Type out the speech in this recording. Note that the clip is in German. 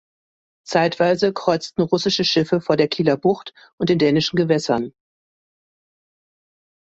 Zeitweise kreuzten russische Schiffe vor der Kieler Bucht und in dänischen Gewässern.